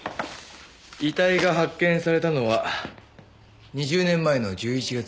遺体が発見されたのは２０年前の１１月８日。